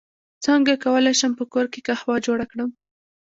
څنګه کولی شم په کور کې قهوه جوړه کړم